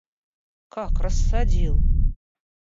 Как рассадил!